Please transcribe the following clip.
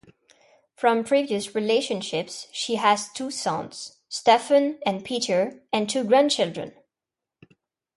From previous relationships, she has two sons, Stephen and Peter, and two grandchildren.